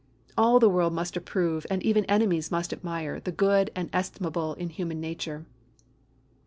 All the world must approve and even enemies must admire the good and the estimable in human nature.